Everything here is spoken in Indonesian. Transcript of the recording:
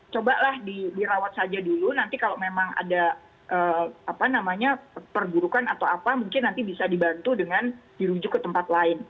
cobalah dirawat saja dulu nanti kalau memang ada perburukan atau apa mungkin nanti bisa dibantu dengan dirujuk ke tempat lain